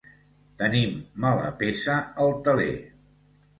Tenim mala peça al teler